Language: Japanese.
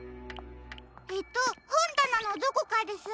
えっとほんだなのどこかです。